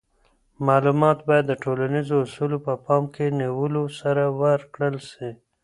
معلومات باید د ټولنیزو اصولو په پام کي نیولو سره ورکړل سي.